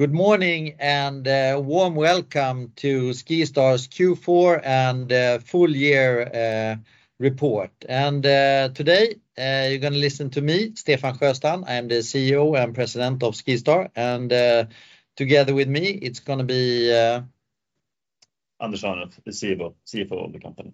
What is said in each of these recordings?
Good morning and a warm welcome to SkiStar's Q4 and full-year report. Today, you're gonna listen to me, Stefan Sjöstrand. I am the CEO and President of SkiStar. Together with me, it's gonna be, Anders Örnulf, the CFO of the company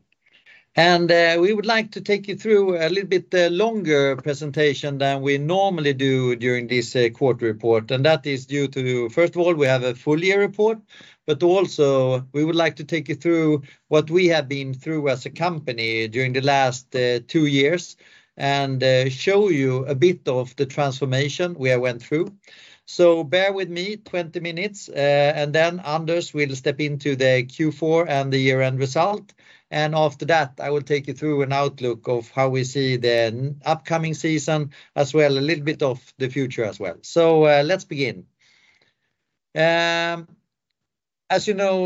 We would like to take you through a little bit longer presentation than we normally do during this quarter report, and that is due to, first of all, we have a full-year report, but also we would like to take you through what we have been through as a company during the last two years and show you a bit of the transformation we have went through. Bear with me 20 minutes, and then Anders will step into the Q4 and the year-end result. After that, I will take you through an outlook of how we see the upcoming season, as well a little bit of the future as well. Let's begin. As you know,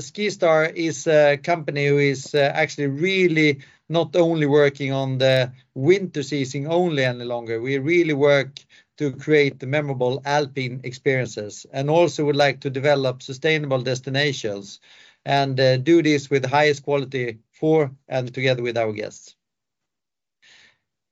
SkiStar is a company who is actually really not only working on the winter season only any longer. We really work to create the memorable alpine experiences and also would like to develop sustainable destinations and do this with the highest quality for and together with our guests.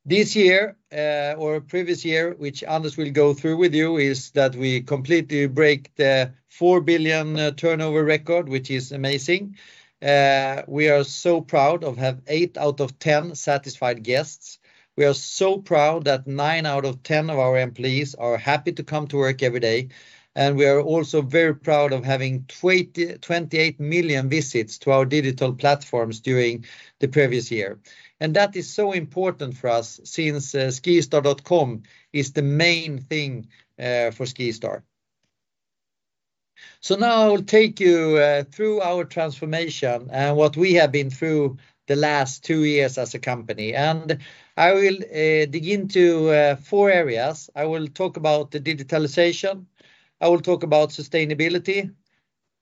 This year or previous year, which Anders will go through with you, is that we completely break the 4 billion turnover record, which is amazing. We are so proud of have eight out of 10 satisfied guests. We are so proud that nine out of 10 of our employees are happy to come to work every day, and we are also very proud of having 20-28 million visits to our digital platforms during the previous year. That is so important for us since skistar.com is the main thing for SkiStar. Now I will take you through our transformation and what we have been through the last two years as a company, and I will dig into four areas. I will talk about the digitalization. I will talk about sustainability,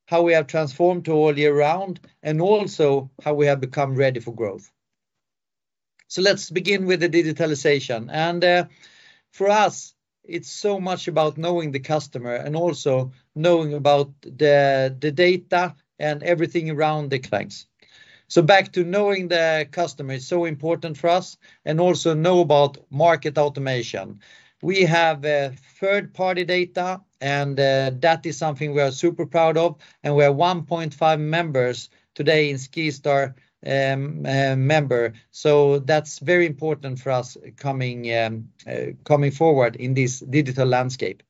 how we have transformed to all year round, and also how we have become ready for growth. Let's begin with the digitalization. For us, it's so much about knowing the customer and also knowing about the data and everything around the clients. Back to knowing the customer, it's so important for us, and also knowing about marketing automation. We have third-party data, and that is something we are super proud of, and we are 1.5 million members today in SkiStar, so that's very important for us coming forward in this digital landscape.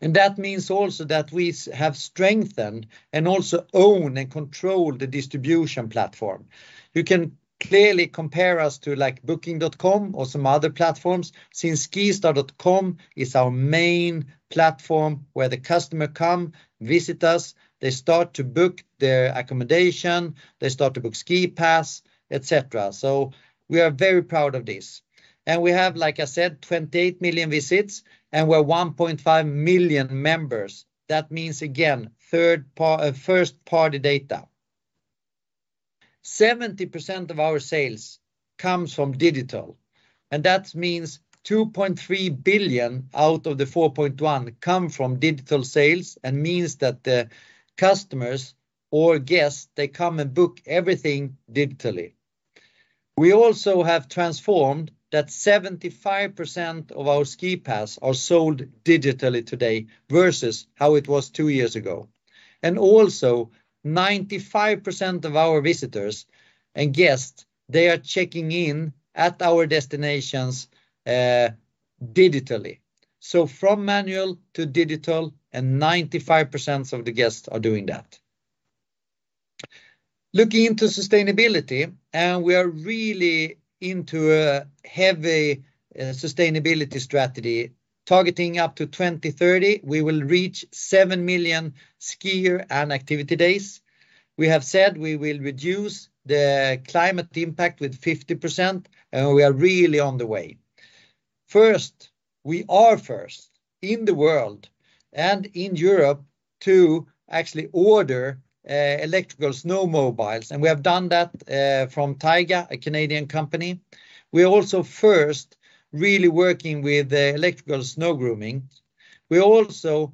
That means also that we have strengthened and also own and control the distribution platform. You can clearly compare us to, like, Booking.com or some other platforms since skistar.com is our main platform where the customer come visit us. They start to book their accommodation, they start to book ski pass, et cetera. We are very proud of this. We have, like I said, 28 million visits, and we're 1.5 million members. That means, again, first-party data. 70% of our sales comes from digital, and that means 2.3 billion out of the 4.1 billion come from digital sales and means that the customers or guests, they come and book everything digitally. We also have transformed that 75% of our Ski pass are sold digitally today versus how it was two years ago. 95% of our visitors and guests, they are checking in at our destinations, digitally. From manual to digital, and 95% of the guests are doing that. Looking into sustainability, and we are really into a heavy, sustainability strategy. Targeting up to 2030, we will reach 7 million skier and activity days. We have said we will reduce the climate impact with 50%, and we are really on the way. First, we are first in the world and in Europe to actually order, electrical snowmobiles, and we have done that, from Taiga, a Canadian company. We are also first really working with, electrical snow grooming. We also,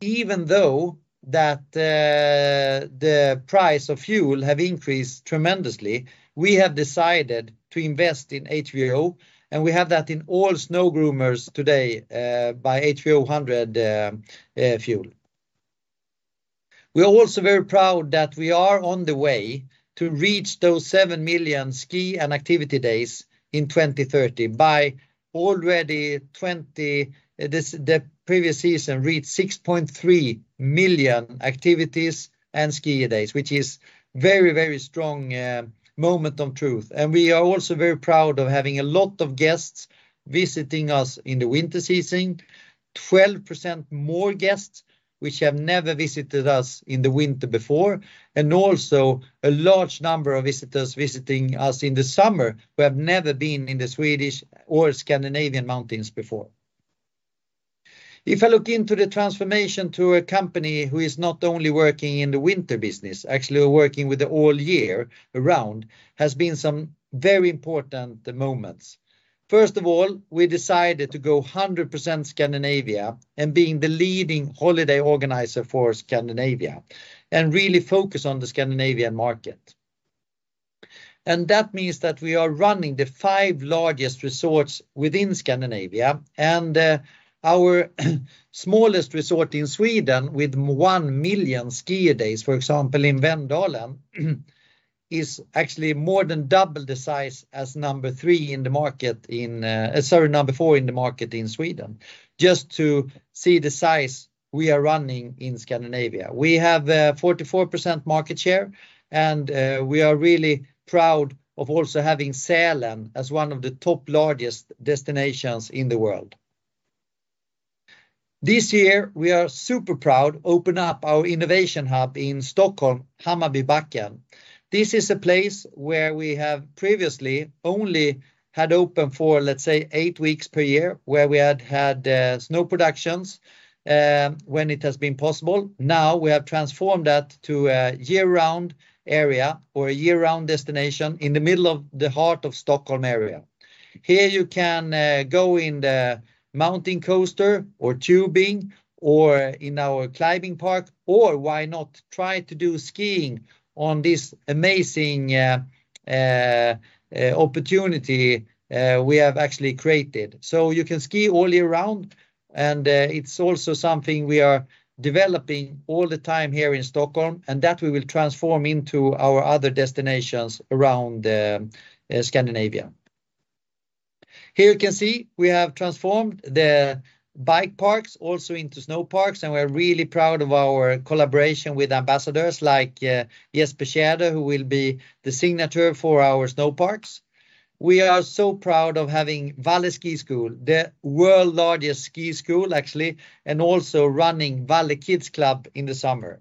even though that, the price of fuel have increased tremendously, we have decided to invest in HVO, and we have that in all snow groomers today, by HVO 100, fuel. We are also very proud that we are on the way to reach those 7 million Ski and activity days in 2030. The previous season reached 6.3 million activities and skier days, which is very, very strong moment of truth. We are also very proud of having a lot of guests visiting us in the winter season, 12% more guests which have never visited us in the winter before, and also a large number of visitors visiting us in the summer who have never been in the Swedish or Scandinavian mountains before. If I look into the transformation to a company who is not only working in the winter business, actually working all year round, has been some very important moments. First of all, we decided to go 100% Scandinavia and being the leading holiday organizer for Scandinavia and really focus on the Scandinavian market. That means that we are running the 5 largest resorts within Scandinavia, and our smallest resort in Sweden with 1 million ski days, for example, in Vemdalen, is actually more than double the size as number four in the market in Sweden. Just to see the size we are running in Scandinavia. We have 44% market share, and we are really proud of also having Sälen as one of the top largest destinations in the world. This year we are super proud to open up our innovation hub in Stockholm, Hammarbybacken. This is a place where we have previously only had open for, let's say, eight weeks per year, where we had snow productions when it has been possible. Now we have transformed that to a year-round area or a year-round destination in the middle of the heart of Stockholm area. Here you can go in the mountain coaster or tubing or in our climbing park, or why not try to do skiing on this amazing opportunity we have actually created. You can ski all year round, and it's also something we are developing all the time here in Stockholm, and that we will transform into our other destinations around Scandinavia. Here you can see we have transformed the bike parks also into snow parks, and we're really proud of our collaboration with ambassadors like Jesper Tjäder, who will be the signature for our snow parks. We are so proud of having Valle Ski School, the world's largest ski school actually, and also running Valle Kids Club in the summer.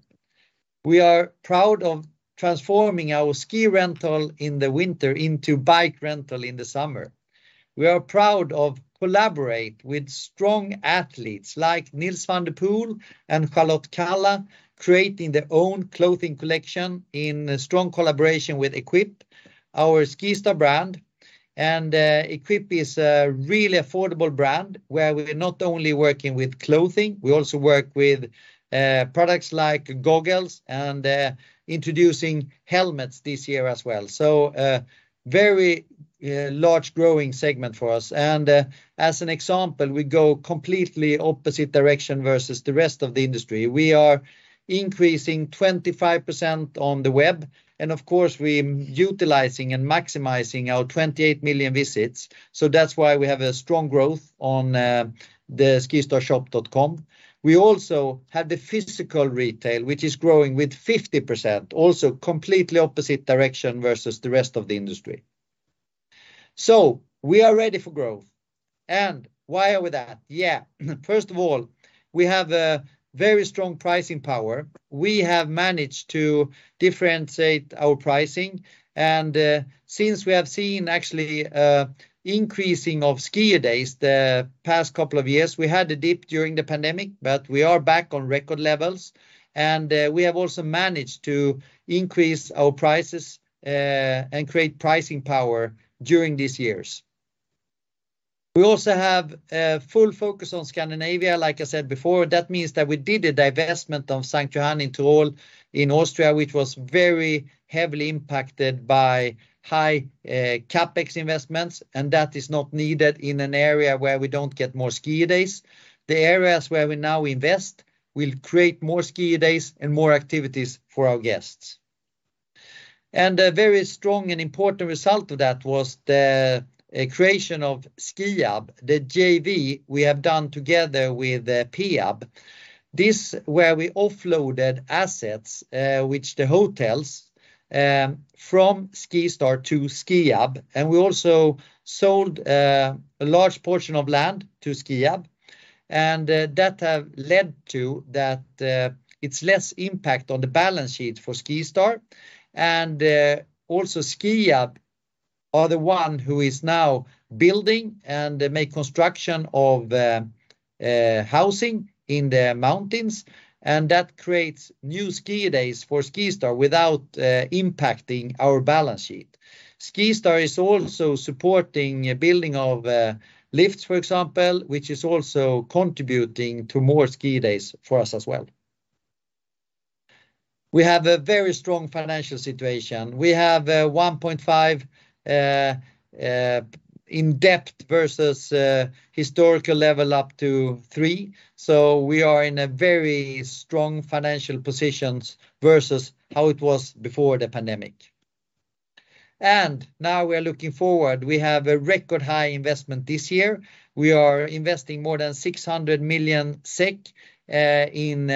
We are proud of transforming our ski rental in the winter into bike rental in the summer. We are proud of collaborate with strong athletes like Nils van der Poel and Charlotte Kalla, creating their own clothing collection in a strong collaboration with EQPE, our SkiStar brand. EQPE is a really affordable brand where we're not only working with clothing, we also work with products like goggles and introducing helmets this year as well. Very large growing segment for us. As an example, we go completely opposite direction versus the rest of the industry. We are increasing 25% on the web, and of course, we're utilizing and maximizing our 28 million visits, so that's why we have a strong growth on the skistarshop.com. We also have the physical retail, which is growing with 50%, also completely opposite direction versus the rest of the industry. We are ready for growth. Why are we that? Yeah. First of all, we have a very strong pricing power. We have managed to differentiate our pricing, and since we have seen actually increasing of ski days the past couple of years, we had a dip during the pandemic, but we are back on record levels. We have also managed to increase our prices, and create pricing power during these years. We also have a full focus on Scandinavia, like I said before. That means that we did a divestment of St. Johann in Tirol in Austria, which was very heavily impacted by high CapEx investments, and that is not needed in an area where we don't get more ski days. The areas where we now invest will create more ski days and more activities for our guests. A very strong and important result of that was the creation of Skiab, the JV we have done together with Peab. This where we offloaded assets, which the hotels, from SkiStar to Skiab, and we also sold a large portion of land to Skiab. That have led to that it's less impact on the balance sheet for SkiStar. Also Skiab are the one who is now building and make construction of housing in the mountains, and that creates new ski days for SkiStar without impacting our balance sheet. SkiStar is also supporting a building of lifts, for example, which is also contributing to more ski days for us as well. We have a very strong financial situation. We have 1.5 net debt versus historical level up to three, so we are in a very strong financial positions versus how it was before the pandemic. Now we are looking forward. We have a record high investment this year. We are investing more than 600 million SEK in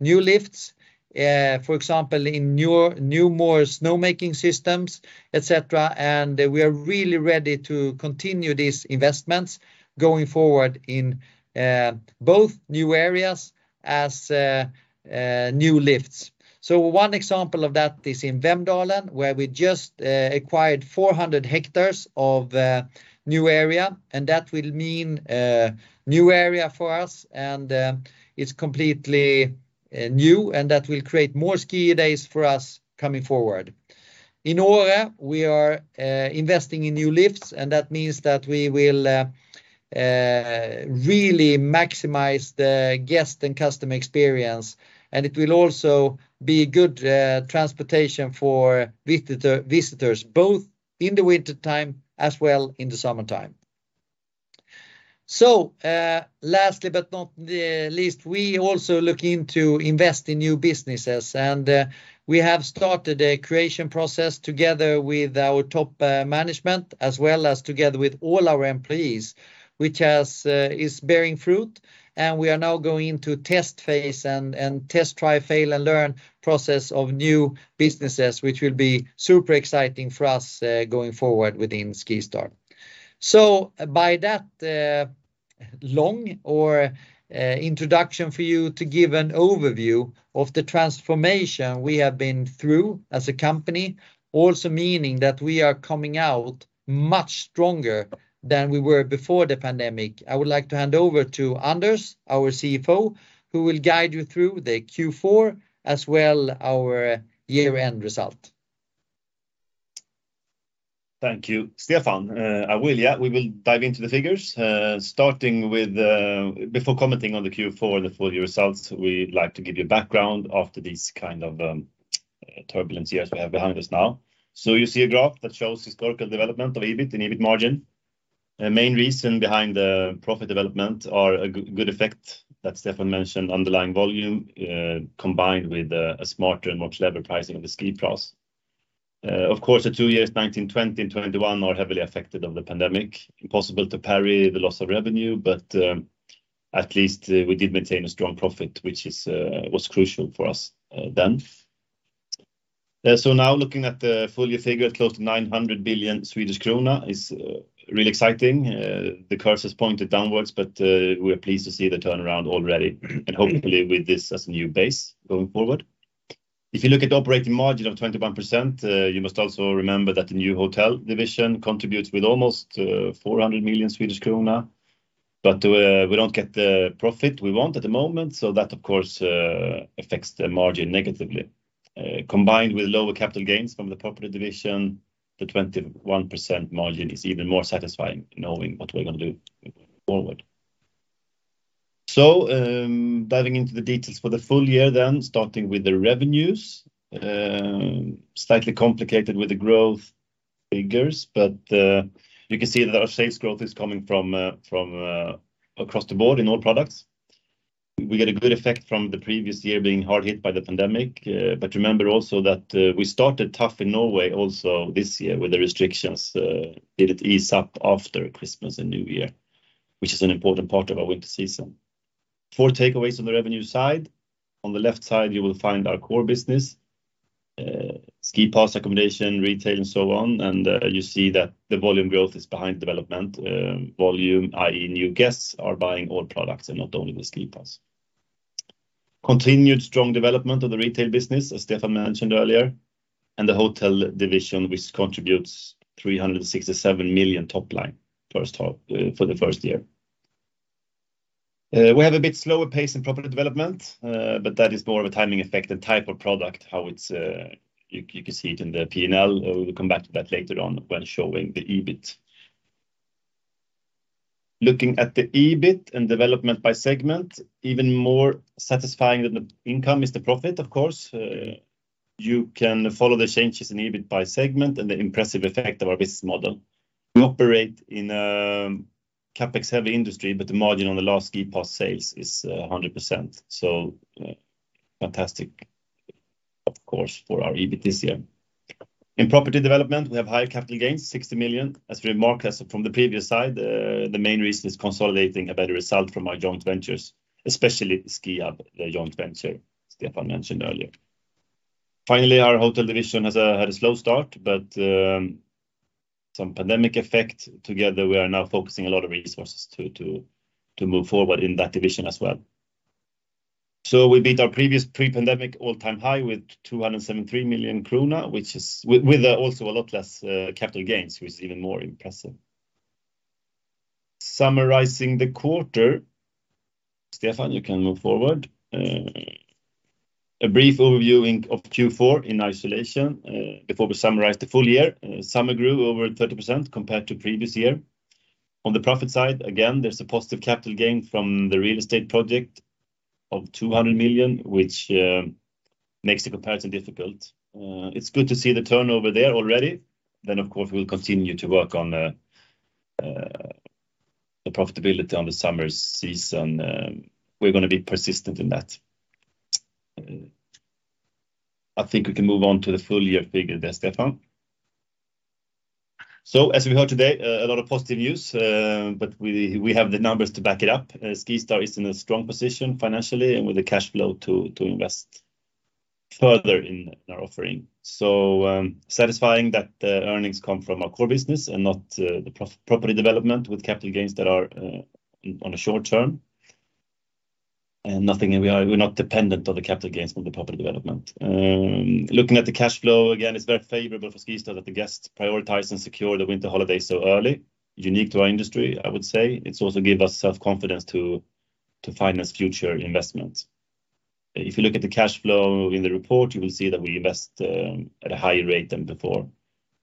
new lifts, for example, in new more snowmaking systems, et cetera. We are really ready to continue these investments going forward in both new areas and new lifts. One example of that is in Vemdalen, where we just acquired 400 hectares of a new area, and that will mean new area for us, and it's completely new, and that will create more ski days for us coming forward. In Åre, we are investing in new lifts, and that means that we will really maximize the guest and customer experience, and it will also be good transportation for visitors, both in the wintertime as well as in the summertime. Lastly but not least, we also looking to invest in new businesses, and we have started a creation process together with our top management, as well as together with all our employees, which is bearing fruit. We are now going to test phase and test, try, fail, and learn process of new businesses, which will be super exciting for us going forward within SkiStar. By that long introduction for you to give an overview of the transformation we have been through as a company, also meaning that we are coming out much stronger than we were before the pandemic, I would like to hand over to Anders, our CFO, who will guide you through the Q4 as well as our year-end result. Thank you, Stefan. We will dive into the figures, starting with, before commenting on the Q4 and the full-year results, we like to give you background after these kind of turbulent years we have behind us now. You see a graph that shows historical development of EBIT and EBIT margin. A main reason behind the profit development are a good effect that Stefan mentioned, underlying volume, combined with a smarter and more clever pricing of the ski pass. Of course, the two years 2019, 2020, and 2021 are heavily affected of the pandemic. Impossible to parry the loss of revenue, but at least we did maintain a strong profit, which was crucial for us, then. Now looking at the full-year figure, close to 900 million Swedish krona. It's really exciting. The course has pointed downwards, but we're pleased to see the turnaround already, and hopefully with this as a new base going forward. If you look at operating margin of 21%, you must also remember that the new hotel division contributes with almost 400 million Swedish krona. We don't get the profit we want at the moment, so that of course affects the margin negatively. Combined with lower capital gains from the property division, the 21% margin is even more satisfying knowing what we're gonna do going forward. Diving into the details for the full-year, starting with the revenues. Slightly complicated with the growth figures, but you can see that our sales growth is coming from across the board in all products. We get a good effect from the previous year being hard hit by the pandemic, but remember also that we started tough in Norway also this year with the restrictions, but it eased up after Christmas and New Year, which is an important part of our winter season. Four takeaways on the revenue side. On the left side, you will find our core business, ski pass, accommodation, retail, and so on, and you see that the volume growth is behind development. Volume, i.e. new guests, are buying all products and not only the ski pass. Continued strong development of the retail business, as Stefan mentioned earlier, and the hotel division, which contributes 367 million top line first half, for the first year. We have a bit slower pace in property development, but that is more of a timing effect and type of product. You can see it in the P&L. We will come back to that later on when showing the EBIT. Looking at the EBIT and development by segment, even more satisfying than the income is the profit, of course. You can follow the changes in EBIT by segment and the impressive effect of our business model. We operate in CapEx-heavy industry, but the margin on the last ski pass sales is 100%. Fantastic, of course, for our EBIT this year. In property development, we have higher capital gains, 60 million. As we mentioned from the previous slide, the main reason is consolidating a better result from our joint ventures, especially Skiab, the joint venture Stefan mentioned earlier. Finally, our hotel division has had a slow start, but some pandemic effect. Together, we are now focusing a lot of resources to move forward in that division as well. We beat our previous pre-pandemic all-time high with 273 million krona, which is with also a lot less capital gains, which is even more impressive. Summarizing the quarter, Stefan, you can move forward. A brief overview of the Q4 in isolation before we summarize the full-year. Summer grew over 30% compared to previous year. On the profit side, again, there's a positive capital gain from the real estate project of 200 million, which makes the comparison difficult. It's good to see the turnover there already. Of course, we'll continue to work on the profitability on the summer season. We're gonna be persistent in that. I think we can move on to the full-year figure there, Stefan. As we heard today, a lot of positive news, but we have the numbers to back it up. SkiStar is in a strong position financially and with the cash flow to invest further in our offering. Satisfying that the earnings come from our core business and not the property development with capital gains that are on a short term. We're not dependent on the capital gains from the property development. Looking at the cash flow again, it's very favorable for SkiStar that the guests prioritize and secure their winter holiday so early. Unique to our industry, I would say. It also give us self-confidence to finance future investments. If you look at the cash flow in the report, you will see that we invest at a higher rate than before,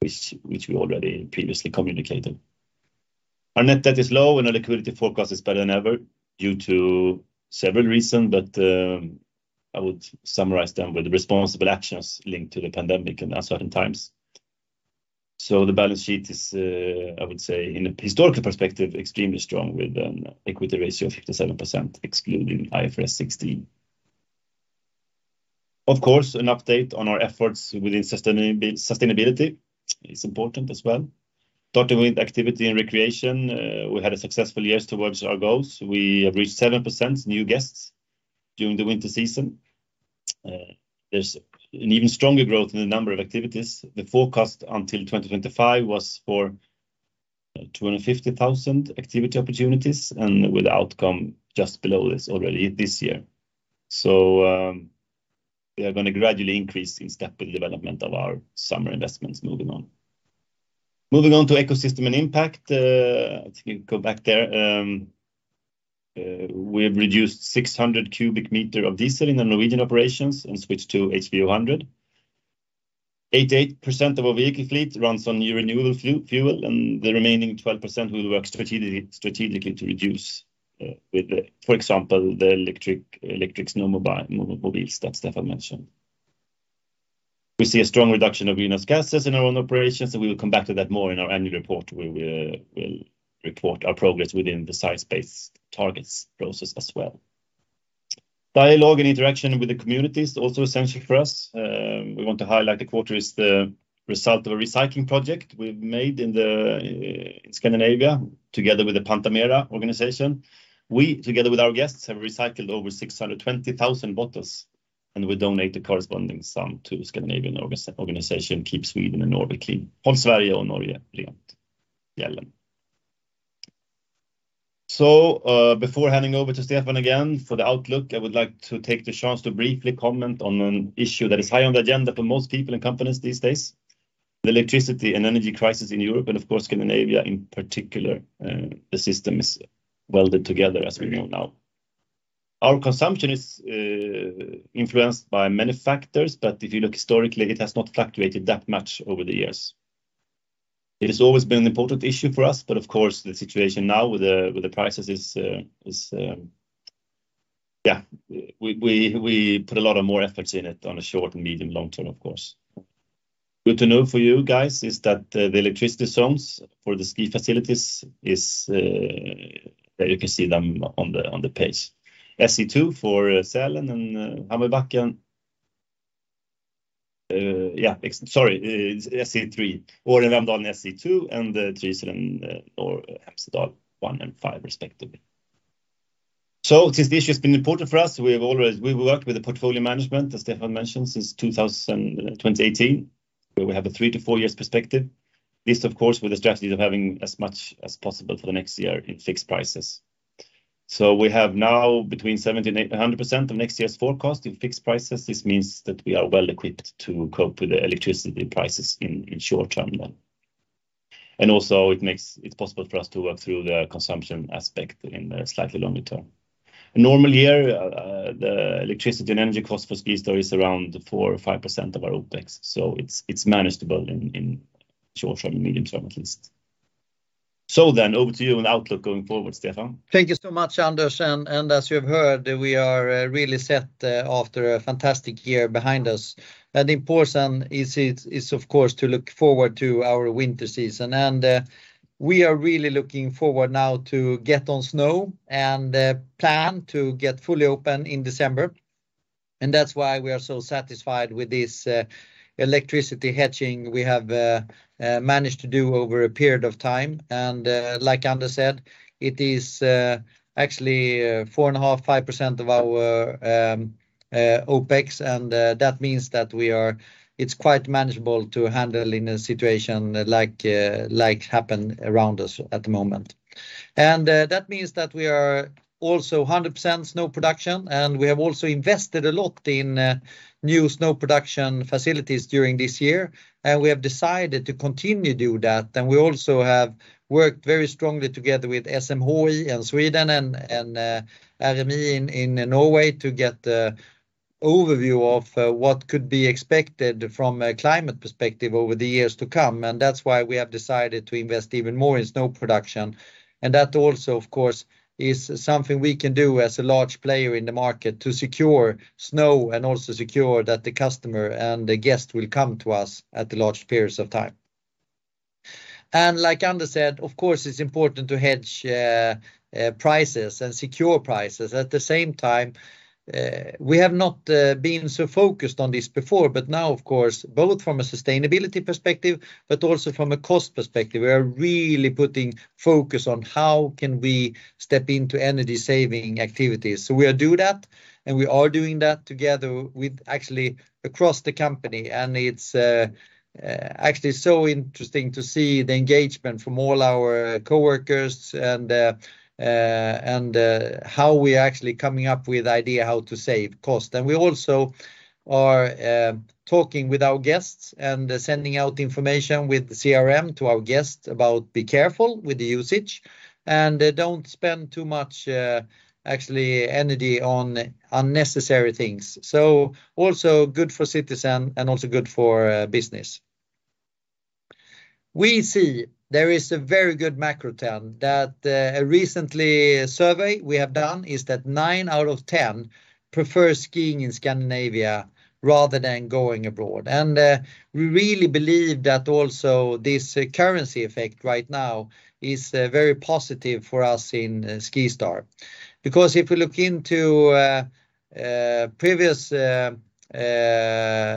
which we already previously communicated. Our net debt is low and our liquidity forecast is better than ever due to several reasons. I would summarize them with responsible actions linked to the pandemic and uncertain times. The balance sheet is, I would say in a historical perspective, extremely strong with an equity ratio of 57% excluding IFRS 16. Of course, an update on our efforts within sustainability is important as well. Starting with activity and recreation, we had a successful year towards our goals. We have reached 7% new guests during the winter season. There's an even stronger growth in the number of activities. The forecast until 2025 was for 250,000 activity opportunities and with the outcome just below this already this year. We are gonna gradually increase in step with the development of our summer investments. Moving on to ecosystem and impact, we've reduced 600 cubic meters of diesel in the Norwegian operations and switched to HVO 100. 88% of our vehicle fleet runs on renewable fuel, and the remaining 12% we work strategically to reduce, with, for example, the electric snowmobiles that Stefan mentioned. We see a strong reduction of greenhouse gases in our own operations, and we will come back to that more in our annual report, where we'll report our progress within the science-based targets process as well. Dialogue and interaction with the communities is also essential for us. We want to highlight the quarter is the result of a recycling project we've made in Scandinavia together with the Pantamera organization. We together with our guests have recycled over 620,000 bottles, and we donate the corresponding sum to Scandinavian organization Håll Sverige Rent and Hold Norge Rent. Before handing over to Stefan again for the outlook, I would like to take the chance to briefly comment on an issue that is high on the agenda for most people and companies these days, the electricity and energy crisis in Europe and of course Scandinavia in particular. The system is welded together as we know now. Our consumption is influenced by many factors, but if you look historically, it has not fluctuated that much over the years. It has always been an important issue for us, but of course the situation now with the prices is, we put a lot of more efforts in it on a short and medium long term, of course. Good to know for you guys is that the electricity zones for the ski facilities is you can see them on the page. SE2 for Sälen and Hammarbybacken. SE3. For the Vemdalen SE2 and the Trysil and Hemsedal 1 and 5 respectively. Since the issue has been important for us, we have always, we've worked with the portfolio management, as Stefan mentioned, since 2018, where we have a three to four years perspective. This of course with a strategy of having as much as possible for the next year in fixed prices. We have now between 70% and 100% of next year's forecast in fixed prices. This means that we are well equipped to cope with the electricity prices in the short term. Also it makes it possible for us to work through the consumption aspect in the slightly longer term. A normal year, the electricity and energy cost for SkiStar is around 4%-5% of our OPEX. It's manageable in short term, medium term at least. Over to you on outlook going forward, Stefan. Thank you so much, Anders, and as you have heard, we are really set after a fantastic year behind us. It is important, of course, to look forward to our winter season. We are really looking forward now to get on snow and plan to get fully open in December. That's why we are so satisfied with this electricity hedging we have managed to do over a period of time. Like Anders said, it is actually 4.5-5% of our OPEX. That means it's quite manageable to handle in a situation like what's happening around us at the moment. That means that we are also 100% snow production, and we have also invested a lot in new snow production facilities during this year, and we have decided to continue do that. We also have worked very strongly together with SMHI in Sweden and MET Norway in Norway to get an overview of what could be expected from a climate perspective over the years to come. That's why we have decided to invest even more in snow production. That also, of course, is something we can do as a large player in the market to secure snow and also secure that the customer and the guest will come to us at the large periods of time. Like Anders said, of course, it's important to hedge prices and secure prices. At the same time, we have not been so focused on this before, but now of course, both from a sustainability perspective, but also from a cost perspective, we are really putting focus on how can we step into energy-saving activities. We'll do that. We are doing that together with actually across the company. It's actually so interesting to see the engagement from all our coworkers and how we actually coming up with idea how to save cost. We also are talking with our guests and sending out information with CRM to our guests about be careful with the usage and don't spend too much actually energy on unnecessary things. Also good for the climate and also good for business. We see there is a very good macro trend that recent survey we have done is that nine out of ten prefer skiing in Scandinavia rather than going abroad. We really believe that also this currency effect right now is very positive for us in SkiStar. Because if we look into previous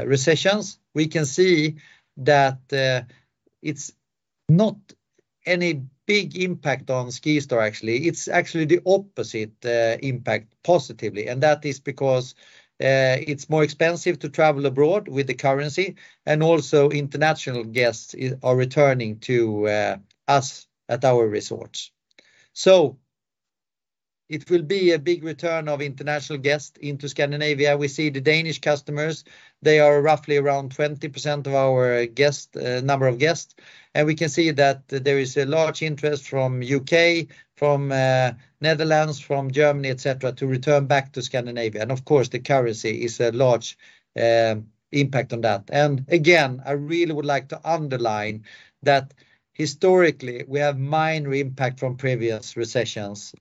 recessions, we can see that it's not any big impact on SkiStar, actually. It's actually the opposite impact positively. That is because it's more expensive to travel abroad with the currency. Also international guests are returning to us at our resorts. It will be a big return of international guests into Scandinavia. We see the Danish customers, they are roughly around 20% of our number of guests. We can see that there is a large interest from UK, from Netherlands, from Germany, et cetera, to return back to Scandinavia. Of course, the currency is a large impact on that. Again, I really would like to underline that historically we have minor impact from previous recessions.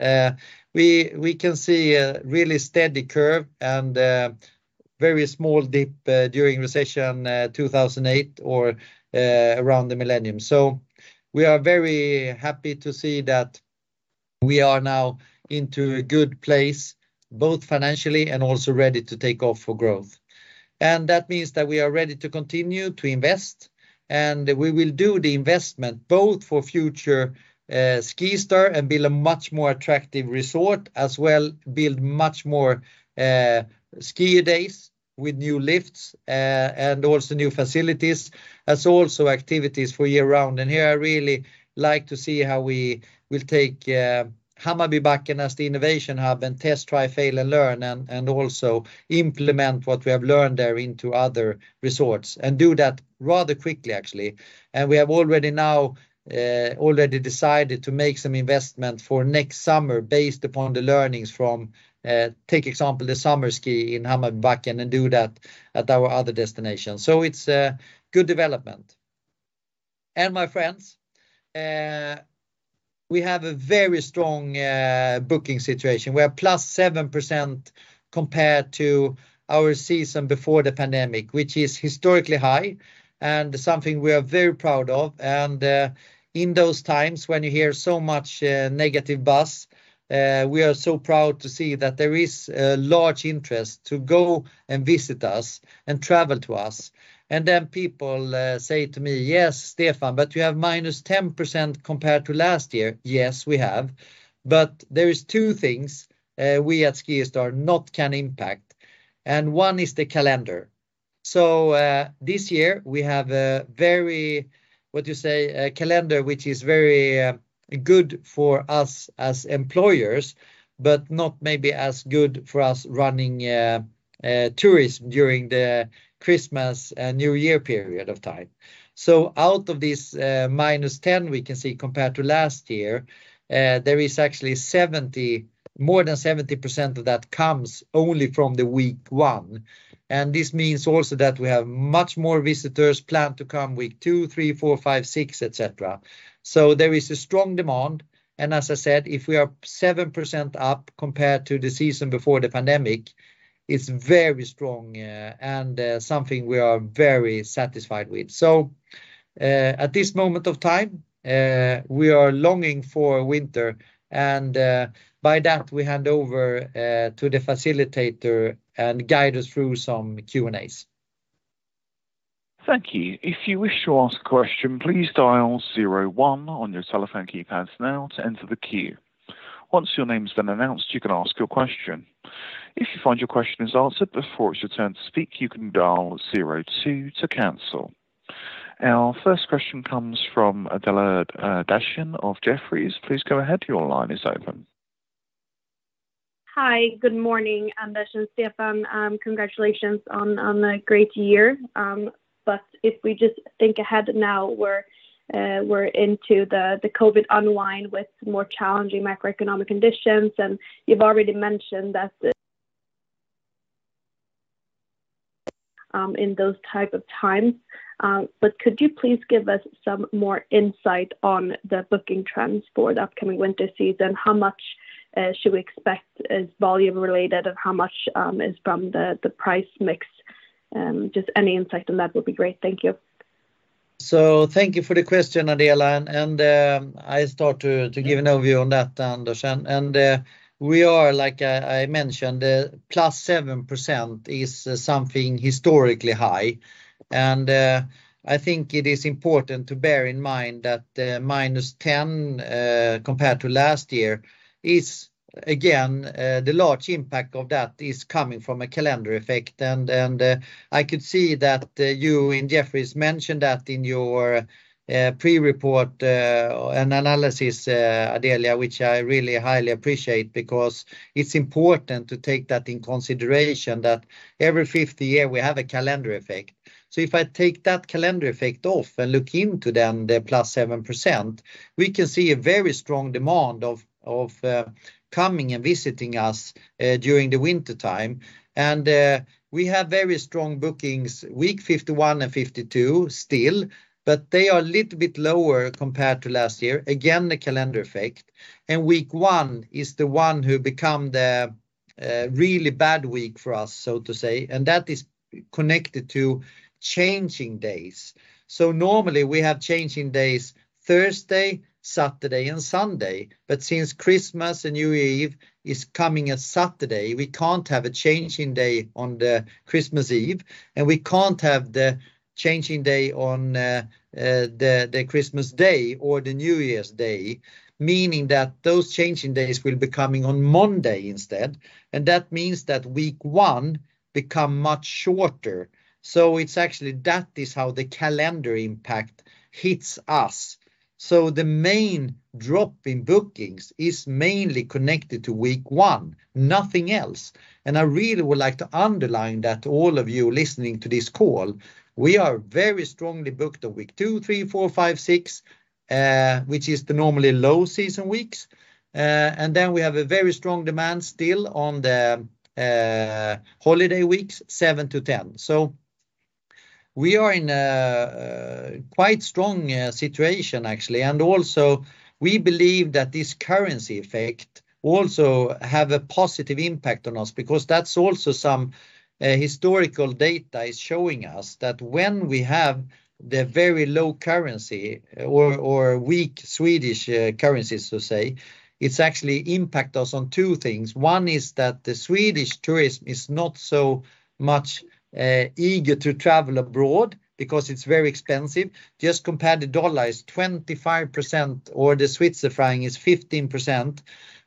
We can see a really steady curve and very small dip during recession 2008 or around the millennium. We are very happy to see that we are now into a good place, both financially and also ready to take off for growth. That means that we are ready to continue to invest, and we will do the investment both for future SkiStar and build a much more attractive resort. As well build much more ski days with new lifts and also new facilities. Also activities for year-round. Here I really like to see how we will take Hammarbybacken as the innovation hub and test, try, fail and learn and also implement what we have learned there into other resorts and do that rather quickly actually. We have already decided to make some investment for next summer based upon the learnings from, for example, the summer ski in Hammarbybacken and do that at our other destinations. It's a good development. My friends, we have a very strong booking situation. We are +7% compared to our season before the pandemic, which is historically high and something we are very proud of. In those times, when you hear so much negative buzz, we are so proud to see that there is a large interest to go and visit us and travel to us. Then people say to me, "Yes, Stefan, but you have minus 10% compared to last year." Yes, we have. There is two things we at SkiStar not can impact, and one is the calendar. This year we have a very, what you say, a calendar, which is very good for us as employers, but not maybe as good for us running tourism during the Christmas and New Year period of time. Out of this minus 10% we can see compared to last year, there is actually more than 70% of that comes only from the week one. This means also that we have much more visitors planned to come week 2, 3, 4, 5, 6, etc. There is a strong demand, and as I said, if we are 7% up compared to the season before the pandemic, it's very strong, and something we are very satisfied with. At this moment of time, we are longing for winter. By that, we hand over to the facilitator and guide us through some Q&As. Thank you. If you wish to ask a question, please dial zero one on your telephone keypads now to enter the queue. Once your name has been announced, you can ask your question. If you find your question is answered before it's your turn to speak, you can dial zero two to cancel. Our first question comes from Adela Dashian of Jefferies. Please go ahead. Your line is open. Hi. Good morning, Adela Dashian, Stefan Sjöstrand. Congratulations on a great year. If we just think ahead now, we're into the COVID unwind with more challenging macroeconomic conditions. You've already mentioned that in those type of times. Could you please give us some more insight on the booking trends for the upcoming winter season? How much should we expect is volume related, and how much is from the price mix? Just any insight on that would be great. Thank you. Thank you for the question, Adela. I start to give an overview on that, Anders. We are like as I mentioned +7% is something historically high. I think it is important to bear in mind that -10% compared to last year is again the large impact of that is coming from a calendar effect. I could see that you and Jefferies mentioned that in your pre-report and analysis Adela, which I really highly appreciate because it's important to take that in consideration that every fifth year we have a calendar effect. If I take that calendar effect off and look into then the +7%, we can see a very strong demand for coming and visiting us during the wintertime. We have very strong bookings week 51 and 52 still, but they are a little bit lower compared to last year. Again, the calendar effect. Week one is the one who become the really bad week for us, so to say. That is connected to changing days. Normally we have changing days Thursday, Saturday and Sunday. But since Christmas and New Year's Eve is coming on a Saturday, we can't have a changing day on the Christmas Eve, and we can't have the changing day on the Christmas Day or the New Year's Day. Meaning that those changing days will be coming on Monday instead. That means that week one become much shorter. It's actually that is how the calendar impact hits us. The main drop in bookings is mainly connected to week one, nothing else. I really would like to underline that all of you listening to this call, we are very strongly booked on week two, three, four, five, six, which is the normally low season weeks. We have a very strong demand still on the holiday weeks seven to 10. We are in a quite strong situation actually. We believe that this currency effect also have a positive impact on us because that's also some historical data is showing us that when we have the very low currency or weak Swedish currency, so to say, it's actually impact us on two things. One is that the Swedish tourism is not so much eager to travel abroad because it's very expensive. Just compare the dollar is 25%, or the Swiss franc is 15%,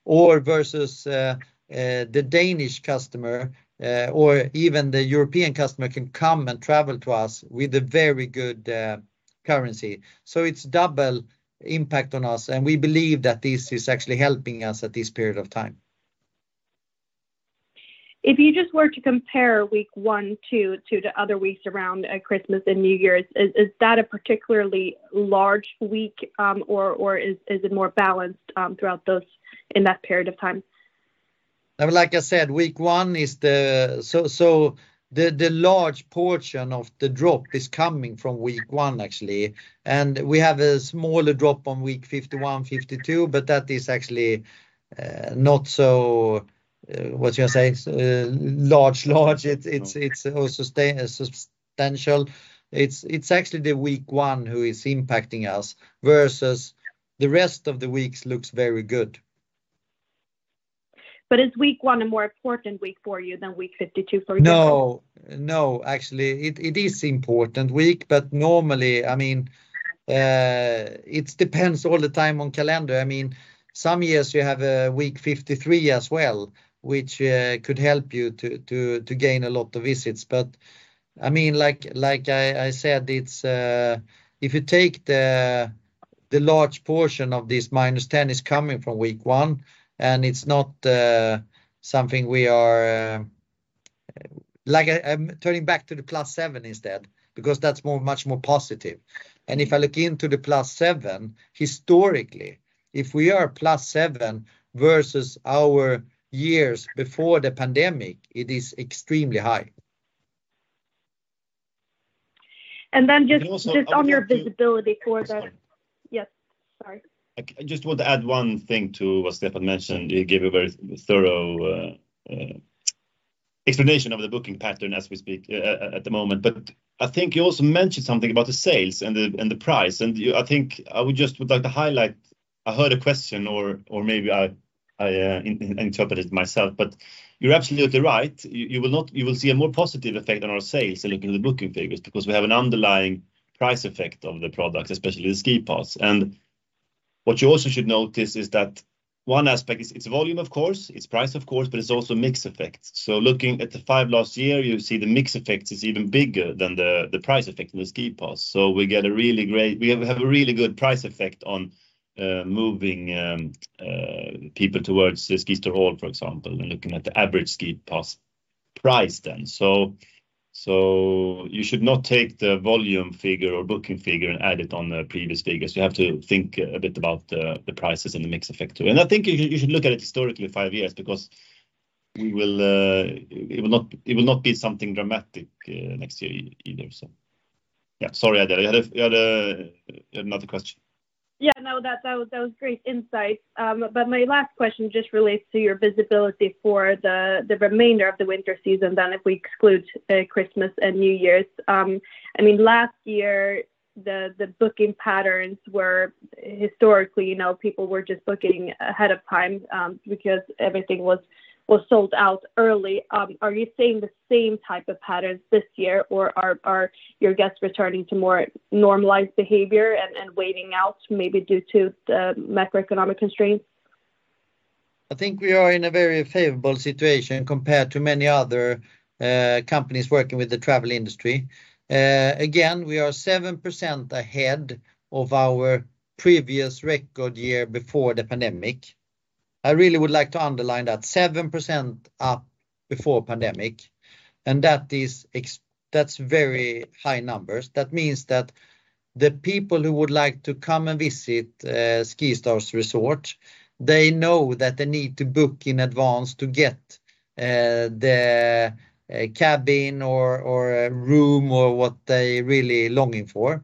or versus the Danish customer, or even the European customer can come and travel to us with a very good currency. It's double impact on us, and we believe that this is actually helping us at this period of time. If you just were to compare week one to the other weeks around Christmas and New Year's, is that a particularly large week, or is it more balanced throughout those in that period of time? I mean, like I said, week one. The large portion of the drop is coming from week one actually, and we have a smaller drop on week 51, 52. That is actually not so what you're saying large. It's substantial. It's actually the week one who is impacting us versus the rest of the weeks looks very good. Is week one a more important week for you than week 52, for example? No, actually, it is important week, but normally, I mean, it depends all the time on calendar. I mean, some years you have a week 53 as well, which could help you to gain a lot of visits. But I mean, like I said, it's if you take the large portion of this -10% is coming from week one, and it's not something we are. Like I'm turning back to the +7% instead because that's much more positive. If I look into the +7%, historically, if we are +7% versus our years before the pandemic, it is extremely high. And then just- Can I also add a few? Just on your visibility for the Excuse me. Yes. Sorry. I just want to add one thing to what Stefan mentioned. He gave a very thorough explanation of the booking pattern as we speak at the moment. I think you also mentioned something about the sales and the price. I think I would just like to highlight, I heard a question or maybe I interpret it myself, but you're absolutely right. You will see a more positive effect on our sales looking at the booking figures, because we have an underlying price effect of the product, especially the ski pass. What you also should notice is that one aspect is, it's volume, of course, it's price of course, but it's also mix effects. Looking at the last five years, you see the mix effects is even bigger than the price effect of the ski pass. We have a really good price effect on moving people towards the SkiStar All, for example, when looking at the average ski pass price then. You should not take the volume figure or booking figure and add it on the previous figures. You have to think a bit about the prices and the mix effect too. I think you should look at it historically five years because it will not be something dramatic next year either. Yeah. Sorry, Adela. You had another question? Yeah. No, that was great insight. But my last question just relates to your visibility for the remainder of the winter season and if we exclude Christmas and New Year's. I mean, last year the booking patterns were historically, you know, people were just booking ahead of time because everything was sold out early. Are you seeing the same type of patterns this year, or are your guests returning to more normalized behavior and waiting out maybe due to the macroeconomic constraints? I think we are in a very favorable situation compared to many other companies working with the travel industry. Again, we are 7% ahead of our previous record year before the pandemic. I really would like to underline that 7% up before pandemic, and that's very high numbers. That means that the people who would like to come and visit SkiStar's resort, they know that they need to book in advance to get the cabin or a room or what they really longing for.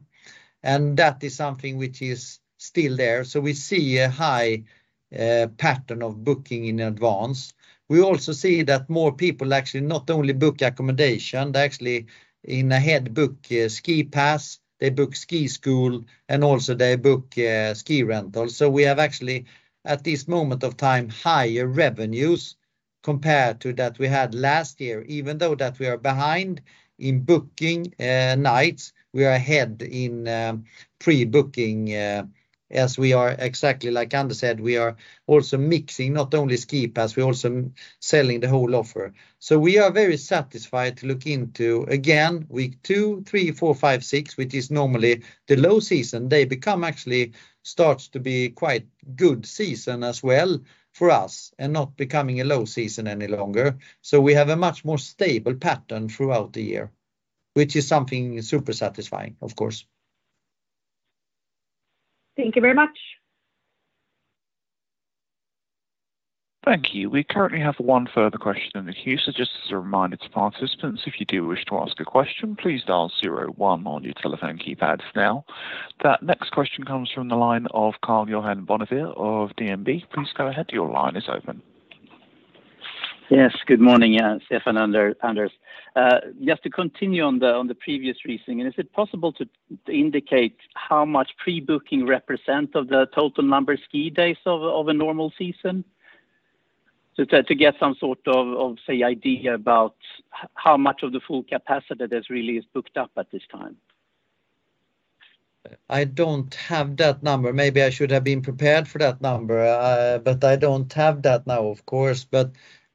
That is something which is still there. We see a high pattern of booking in advance. We also see that more people actually not only book accommodation, they actually book in advance ski pass, they book ski school, and also they book ski rental. We have actually, at this moment of time, higher revenues compared to that we had last year. Even though that we are behind in booking nights, we are ahead in pre-booking, as we are exactly like Anders said, we are also mixing not only ski pass, we're also selling the whole offer. We are very satisfied to look into, again, week two, three, four, five, six, which is normally the low season. They become actually starts to be quite good season as well for us and not becoming a low season any longer. We have a much more stable pattern throughout the year, which is something super satisfying, of course. Thank you very much. Thank you. We currently have one further question in the queue. Just as a reminder to participants, if you do wish to ask a question, please dial zero one on your telephone keypads now. That next question comes from the line of Karl-Johan Bonnevier of DNB. Please go ahead. Your line is open. Yes. Good morning, yeah, Stefan and Anders. Just to continue on the previous reasoning. Is it possible to indicate how much pre-booking represent of the total number ski days of a normal season? To get some sort of say idea about how much of the full capacity that really is booked up at this time. I don't have that number. Maybe I should have been prepared for that number. I don't have that now, of course.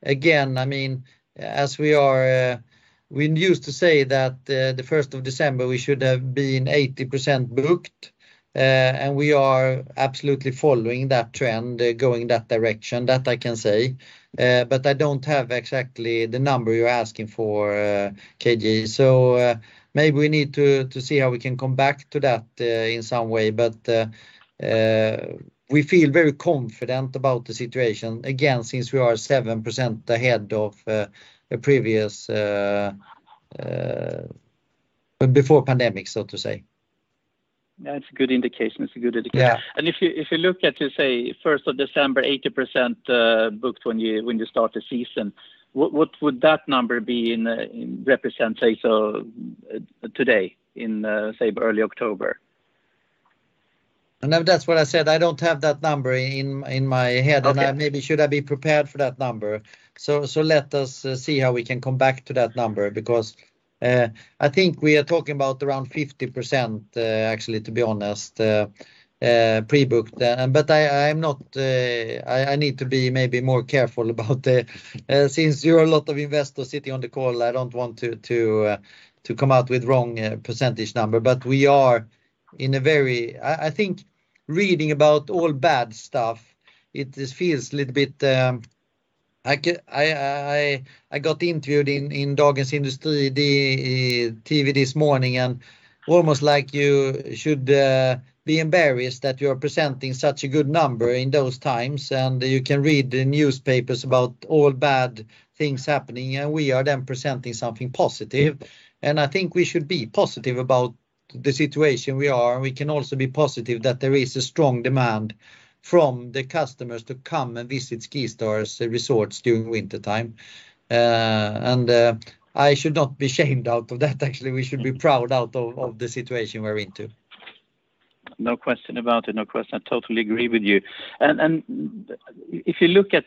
Again, I mean, we used to say that the first of December, we should have been 80% booked. We are absolutely following that trend, going that direction. That I can say. I don't have exactly the number you're asking for, KG. Maybe we need to see how we can come back to that in some way. We feel very confident about the situation. Again, since we are 7% ahead of the previous before pandemic, so to say. Yeah, it's a good indication. Yeah. If you look at, you say first of December, 80% booked when you start the season, what would that number be in a representative, say, so today in, say early October? No, that's what I said. I don't have that number in my head. Okay. I maybe should be prepared for that number. Let us see how we can come back to that number because I think we are talking about around 50%, actually, to be honest, pre-booked. I'm not. I need to be maybe more careful about it since there are a lot of investors sitting on the call. I don't want to come out with wrong percentage number. I think reading about all bad stuff, it just feels a little bit. I got interviewed in Dagens industri, the TV this morning, and almost like you should be embarrassed that you're presenting such a good number in those times. You can read the newspapers about all bad things happening, and we are then presenting something positive. I think we should be positive about the situation we are. We can also be positive that there is a strong demand from the customers to come and visit SkiStar's resorts during wintertime. I should not be ashamed of that, actually. We should be proud of the situation we're in. No question about it. No question. I totally agree with you. If you look at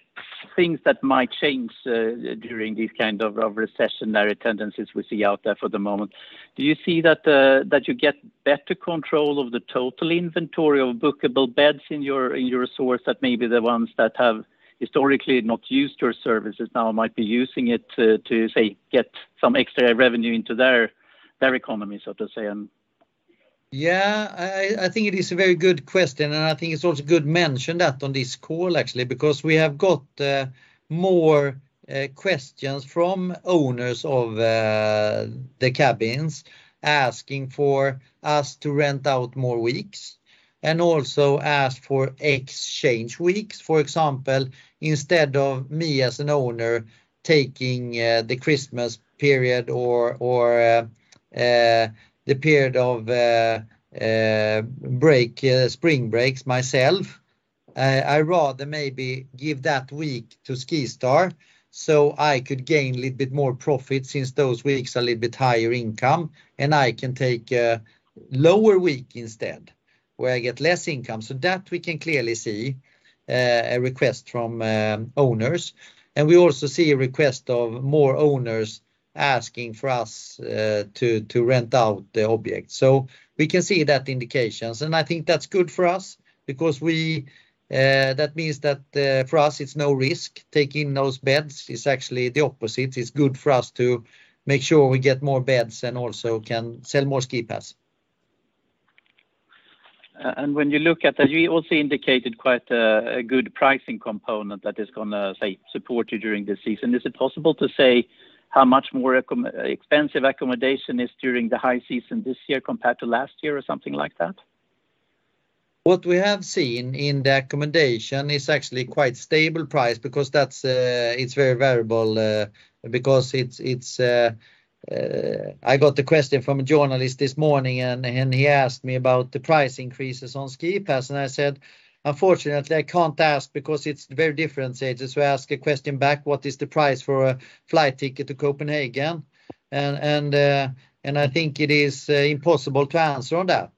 things that might change during these kind of recessionary tendencies we see out there for the moment, do you see that you get better control of the total inventory of bookable beds in your resorts that maybe the ones that have historically not used your services now might be using it to say get some extra revenue into their economy, so to say? I think it is a very good question, and I think it's also good to mention that on this call actually. Because we have got more questions from owners of the cabins asking for us to rent out more weeks and also ask for exchange weeks. For example, instead of me as an owner taking the Christmas period or the period of break, spring breaks myself. I rather maybe give that week to SkiStar so I could gain a little bit more profit since those weeks are a little bit higher income, and I can take a lower week instead where I get less income. We can clearly see a request from owners. We also see a request of more owners asking for us to rent out the object. We can see that indications, and I think that's good for us because that means that, for us it's no risk. Taking those beds is actually the opposite. It's good for us to make sure we get more beds and also can sell more ski pass. When you look at that, you also indicated quite a good pricing component that is gonna support you during the season. Is it possible to say how much more expensive accommodation is during the high season this year compared to last year or something like that? What we have seen in the accommodation is actually quite stable price because that's it's very variable because it's. I got the question from a journalist this morning and he asked me about the price increases on ski pass. I said, "Unfortunately, I can't ask because it's very different." I just ask a question back, "What is the price for a flight ticket to Copenhagen?" I think it is impossible to answer on that.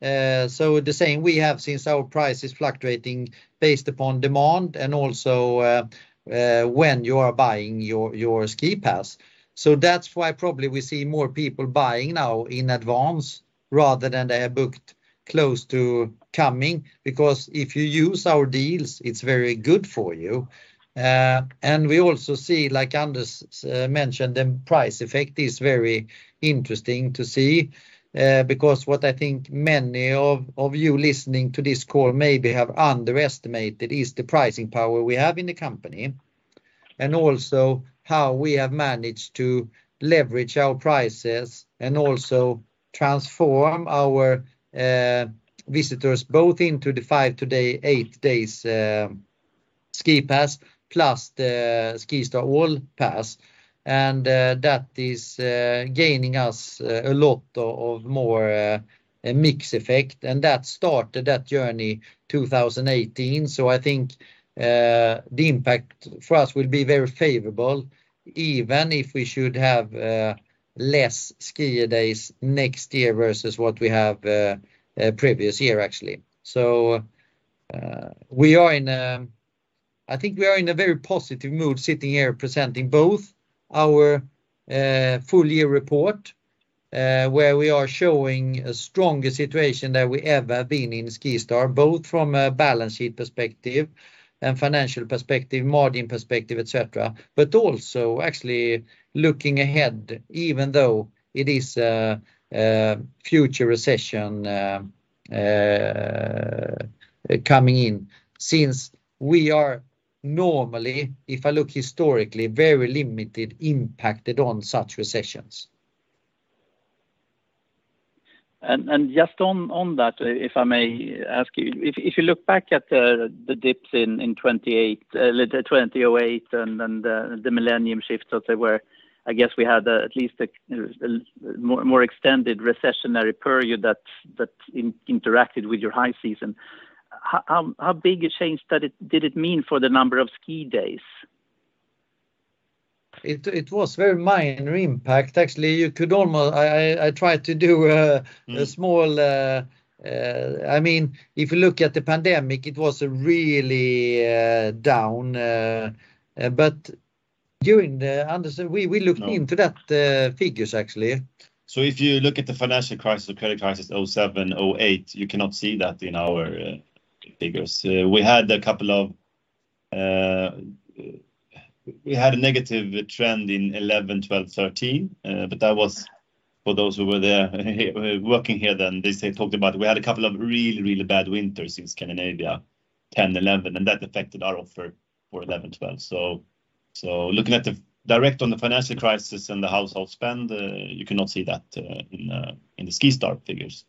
The same we have since our price is fluctuating based upon demand and also when you are buying your ski pass. That's why probably we see more people buying now in advance rather than they are booked close to coming. If you use our deals, it's very good for you. We also see, like Anders mentioned, the price effect is very interesting to see. Because what I think many of you listening to this call maybe have underestimated is the pricing power we have in the company, and also how we have managed to leverage our prices and also transform our visitors both into the five to the eight days ski pass, plus the SkiStar All pass. That is gaining us a lot of more mix effect. That started that journey 2018. I think the impact for us will be very favorable, even if we should have less skier days next year versus what we have previous year actually. We are in, I think we are in a very positive mood sitting here presenting both our full-year report, where we are showing a stronger situation than we ever been in SkiStar, both from a balance sheet perspective and financial perspective, margin perspective, et cetera. Also actually looking ahead, even though it is a future recession coming in. Since we are normally, if I look historically, very limited impacted on such recessions. Just on that, if I may ask you. If you look back at the dips in 2008 and the millennium shift, as they were. I guess we had at least a more extended recessionary period that interacted with your high season. How big a change did it mean for the number of ski days? It was very minor impact. Actually, I tried to do a. Mm. I mean, if you look at the pandemic, it was really down. During the, Anders, we looked. No. Into that figures actually. If you look at the financial crisis or credit crisis, 2007, 2008, you cannot see that in our figures. We had a negative trend in 2011, 2012, 2013. But that was for those who were there working here then. They talked about we had a couple of really bad winters in Scandinavia, 2010, 2011, and that affected our offer for 2011, 2012. Looking at the direct on the financial crisis and the household spend, you cannot see that in the SkiStar figures,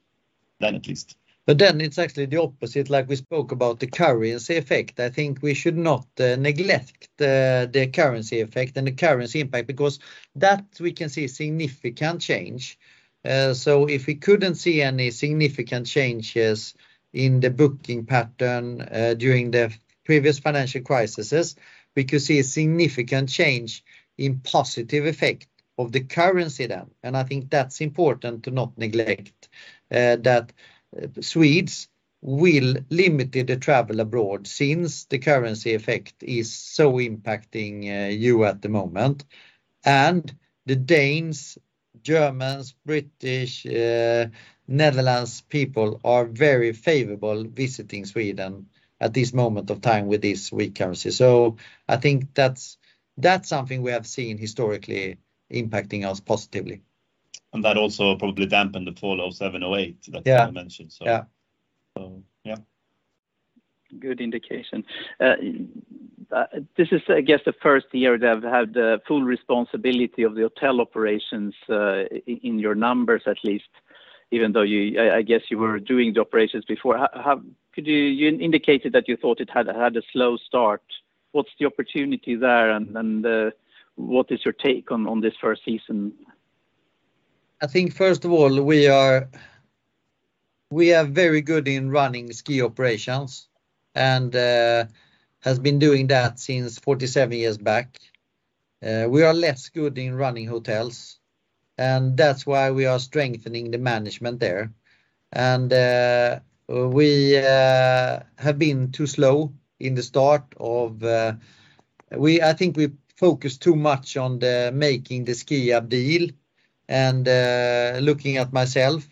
at least. It's actually the opposite, like we spoke about the currency effect. I think we should not neglect the currency effect and the currency impact because that we can see a significant change. If we couldn't see any significant changes in the booking pattern during the previous financial crises, we could see a significant change in positive effect of the currency then. I think that's important to not neglect that Swedes will limit the travel abroad since the currency effect is so impacting you at the moment. The Danes, Germans, British, Netherlands people are very favorable visiting Sweden at this moment of time with this weak currency. I think that's something we have seen historically impacting us positively. That also probably dampened the fall of 2007-2008. Yeah. you mentioned. Yeah. Yeah. Good indication. This is, I guess, the first year they've had the full responsibility of the hotel operations in your numbers at least. Even though you, I guess you were doing the operations before. How could you? You indicated that you thought it had a slow start. What's the opportunity there and what is your take on this first season? I think first of all, we are very good in running ski operations and has been doing that since 47 years back. We are less good in running hotels, and that's why we are strengthening the management there. We have been too slow in the start of. I think we focused too much on the making the Skiab deal and looking at myself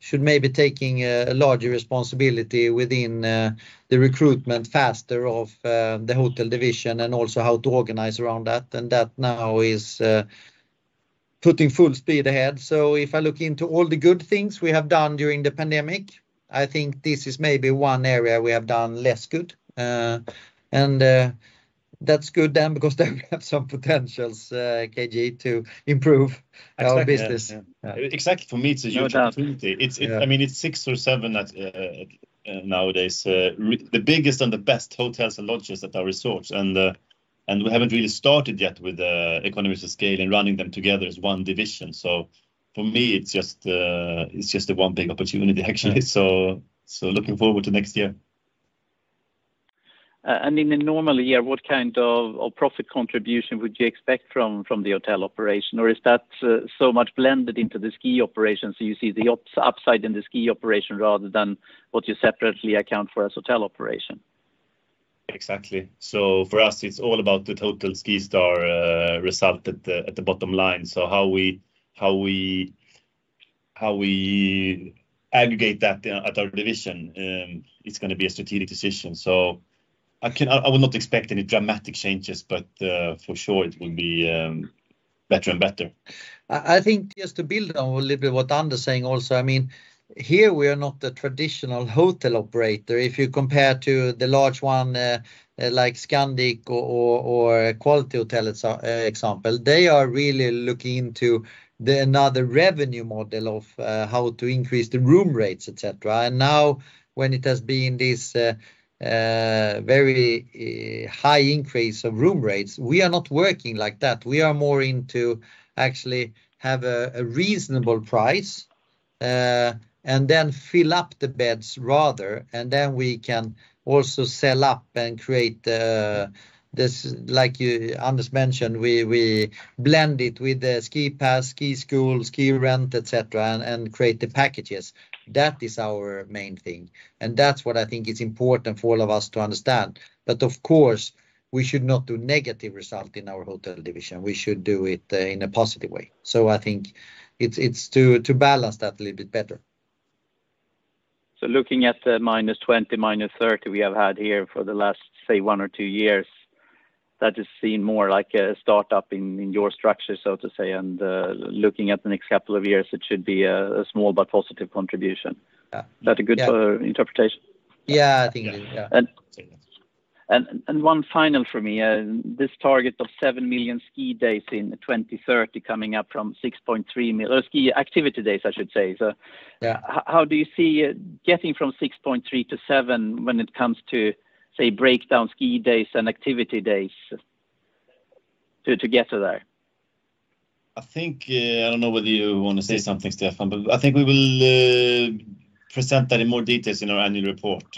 should maybe taking a larger responsibility within the recruitment faster of the hotel division and also how to organize around that. That now is putting full speed ahead. If I look into all the good things we have done during the pandemic, I think this is maybe one area we have done less good. That's good then because then we have some potentials, KG, to improve our business. Exactly. Yeah. Exactly. For me, it's a huge opportunity. No doubt. Yeah. I mean, it's six or seven at nowadays the biggest and the best hotels and lodges at our resorts. We haven't really started yet with the economies of scale and running them together as one division. For me, it's just a one big opportunity, actually. Looking forward to next year. In a normal year, what kind of profit contribution would you expect from the hotel operation? Or is that so much blended into the ski operation, so you see the upside in the ski operation rather than what you separately account for as hotel operation? Exactly. For us, it's all about the total SkiStar result at the bottom line. How we aggregate that at our division, it's gonna be a strategic decision. I will not expect any dramatic changes, but for sure it will be better and better. I think just to build on a little bit what Anders saying also. I mean, here we are not the traditional hotel operator. If you compare to the large one, like Scandic or Quality Hotel, for example, they are really looking into another revenue model of how to increase the room rates, et cetera. Now when it has been this very high increase of room rates, we are not working like that. We are more into actually have a reasonable price and then fill up the beds rather. Then we can also upsell and create this, like Anders mentioned, we blend it with the ski pass, ski school, ski rental, et cetera, and create the packages. That is our main thing, and that's what I think is important for all of us to understand. Of course, we should not do negative result in our hotel division. We should do it in a positive way. I think it's to balance that a little bit better. Looking at the -20%, -30% we have had here for the last, say, one or two years, that has seemed more like a startup in your structure, so to say. Looking at the next couple of years, it should be a small but positive contribution. Yeah. Is that a good? Yeah Interpretation? Yeah, I think it is. Yeah. Yeah. One final for me. This target of 7 million ski days in 2030 coming up from 6.3 million ski activity days, I should say. Yeah How do you see getting from 6.3 to 7 when it comes to, say, breakdown ski days and activity days to get to there? I think, I don't know whether you wanna say something, Stefan, but I think we will present that in more details in our annual report.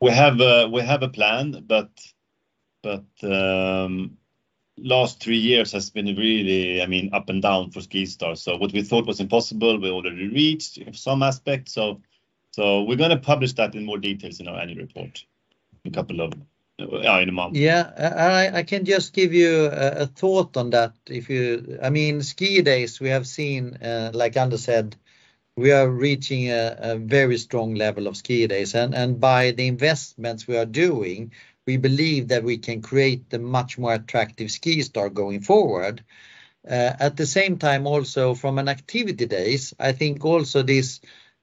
We have a plan, but last three years has been really, I mean, up and down for SkiStar. What we thought was impossible, we already reached in some aspects. We're gonna publish that in more details in our annual report in a month. Yeah. I can just give you a thought on that. I mean, ski days we have seen, like Anders said, we are reaching a very strong level of ski days. By the investments we are doing, we believe that we can create a much more attractive SkiStar going forward. At the same time also from an activity days, I think also these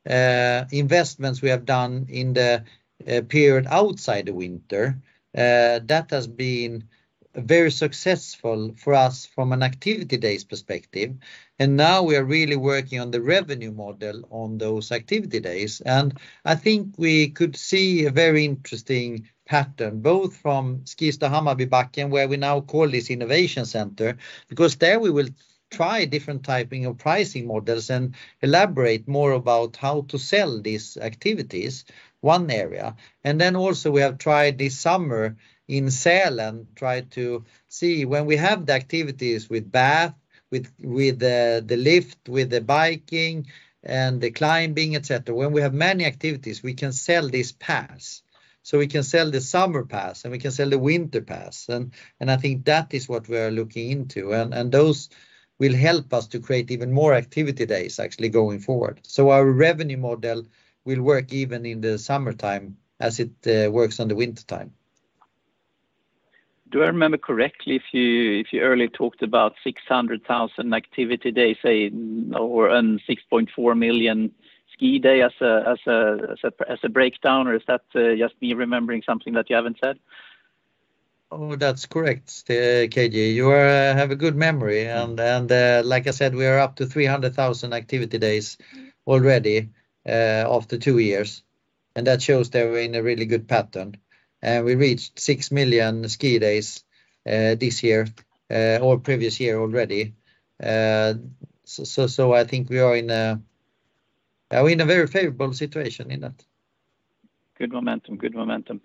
investments we have done in the period outside the winter, that has been very successful for us from an activity days perspective. Now we are really working on the revenue model on those activity days. I think we could see a very interesting pattern, both from SkiStar Hammarbybacken, where we now call this innovation center, because there we will try different types of pricing models and elaborate more about how to sell these activities, one area. Then also we have tried this summer in Sälen, tried to see when we have the activities with bath, with the lift, with the biking and the climbing, et cetera, when we have many activities, we can sell this pass. We can sell the summer pass, and we can sell the winter pass. I think that is what we are looking into. Those will help us to create even more activity days actually going forward. Our revenue model will work even in the summertime as it works in the wintertime. Do I remember correctly if you earlier talked about 600,000 activity days, say, and 6.4 million ski days as a breakdown, or is that just me remembering something that you haven't said? Oh, that's correct, KG. You have a good memory. Like I said, we are up to 300,000 activity days already, after two years, and that shows that we're in a really good pattern. We reached 6 million ski days, this year, or previous year already. I think we are in a very favorable situation in that. Good momentum.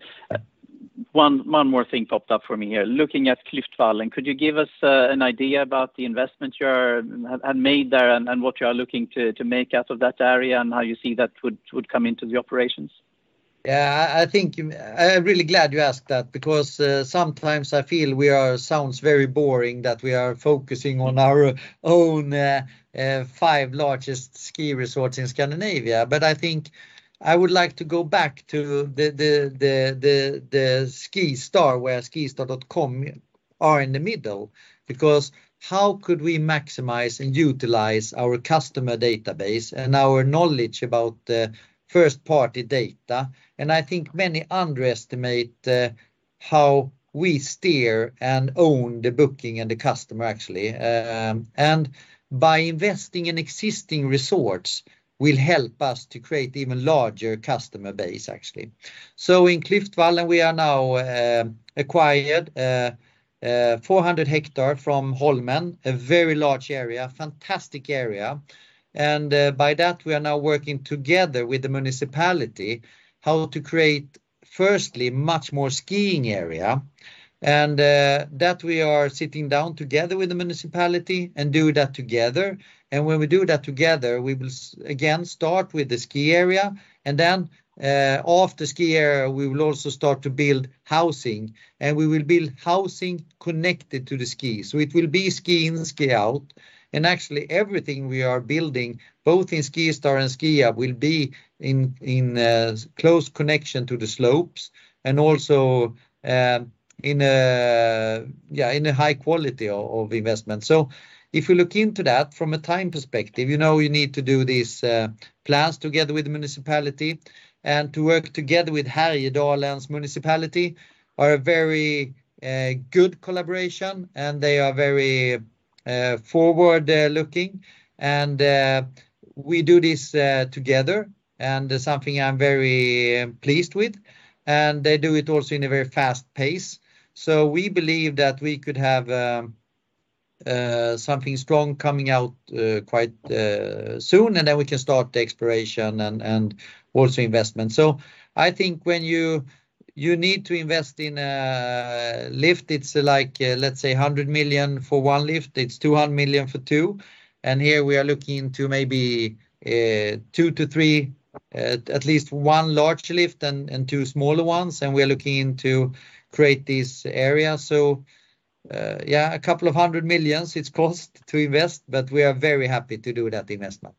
One more thing popped up for me here. Looking at Klövsjö, could you give us an idea about the investment you have made there and what you are looking to make out of that area and how you see that would come into the operations? Yeah. I'm really glad you asked that because sometimes I feel sounds very boring that we are focusing on our own five largest ski resorts in Scandinavia. I think I would like to go back to the SkiStar, where skistar.com are in the middle. Because how could we maximize and utilize our customer database and our knowledge about the first-party data? I think many underestimate how we steer and own the booking and the customer actually. By investing in existing resorts will help us to create even larger customer base, actually. In Klövsjö we are now acquired 400 hectares from Holmen, a very large area, fantastic area. By that, we are now working together with the municipality how to create, firstly, much more skiing area and that we are sitting down together with the municipality and do that together. When we do that together, we will start with the ski area and then, after ski area, we will also start to build housing, and we will build housing connected to the ski. It will be ski in, ski out. Actually everything we are building, both in SkiStar and Skiab, will be in close connection to the slopes and also in a high quality of investment. If you look into that from a time perspective, you know you need to do these plans together with the municipality and to work together with Härjedalen Municipality are a very good collaboration, and they are very forward looking. We do this together, and something I'm very pleased with, and they do it also in a very fast pace. We believe that we could have something strong coming out quite soon, and then we can start the exploration and also investment. I think when you need to invest in a lift, it's like, let's say 100 million for one lift. It's 200 million for two. Here we are looking to maybe 2-3, at least one large lift and two smaller ones. We are looking into create these areas. Yeah, 200 million it's cost to invest, but we are very happy to do that investment.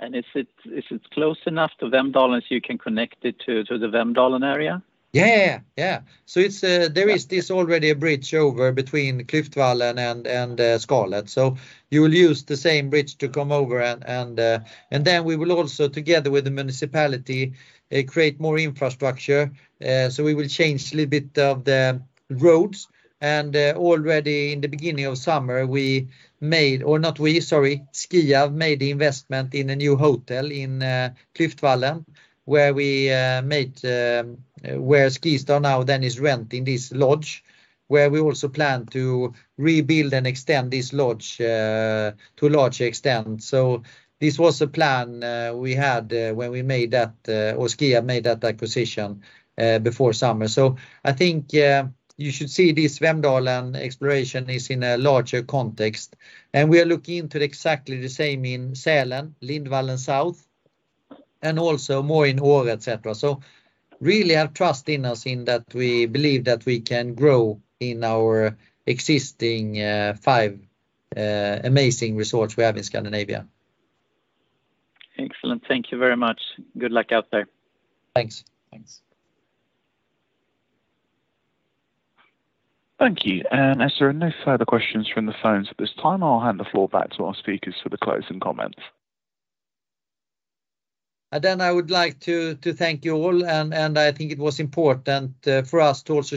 Is it close enough to Vemdalen, so you can connect it to the Vemdalen area? Yeah, yeah. It's there is this already a bridge over between Klövsjö and Skarvruet. You will use the same bridge to come over and then we will also, together with the municipality, create more infrastructure. We will change a little bit of the roads. Already in the beginning of summer, Skiab made the investment in a new hotel in Klövsjö, where SkiStar now then is renting this lodge, where we also plan to rebuild and extend this lodge to a larger extent. This was a plan we had when we made that, or Skiab made that acquisition before summer. I think you should see this Vemdalen exploration is in a larger context, and we are looking into exactly the same in Sälen, Lindvallen South, and also more in Åre, et cetera. Really have trust in us in that we believe that we can grow in our existing five amazing resorts we have in Scandinavia. Excellent. Thank you very much. Good luck out there. Thanks. Thanks. Thank you. As there are no further questions from the phones at this time, I'll hand the floor back to our speakers for the closing comments. I would like to thank you all, and I think it was important for us to also.